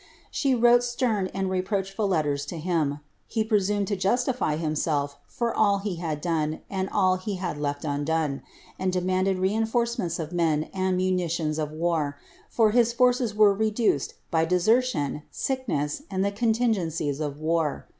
She wrou stern and reproachful letters (o him. He presumed to justify hinueir for all he had done and all he had ]e(t undone, and demanded reinfon* menls of men and munitions of war, for hia forces were reduced hT desertion, sickness, and ihe contingencies of war.